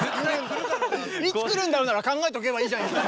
「いつくるんだろう」なら考えとけばいいじゃないですか！